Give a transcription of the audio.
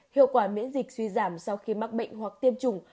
hiệu quả miễn dịch suy giảm sau khi mắc bệnh hoặc tiêm chủng